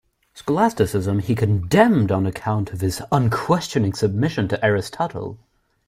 Scholasticism he condemned on account of its unquestioning submission to Aristotle.